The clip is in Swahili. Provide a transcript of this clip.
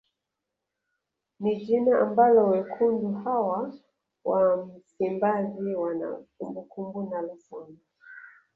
Ni jina ambalo wekundu hawa wa msimbazi wana kumbukumbu nalo sana